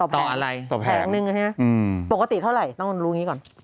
ต่ออะไรต่อแผงหนึ่งนะฮะปกติเท่าไหร่ต้องรู้อย่างนี้ก่อน